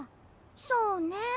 そうね。